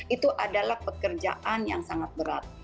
itu adalah pekerjaan yang sangat berat